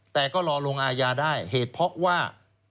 แต่ก็รอลงอาญาได้เหตุเพราะว่า